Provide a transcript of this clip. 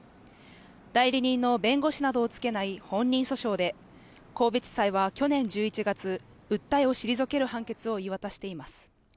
代理人の弁護士などをつけない本人訴訟で、神戸地裁は去年１１月、訴えを退ける判決を言い渡しています。